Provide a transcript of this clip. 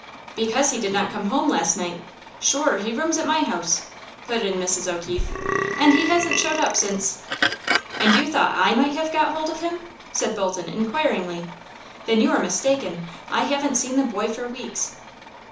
"Because he did not come home last night. Shure he rooms at my house," put in Mrs. O'Keefe, "and he hasn't showed up since " "And you thought I might have got hold of him?" said Bolton, inquiringly. "Then you are mistaken. I haven't seen the boy for weeks."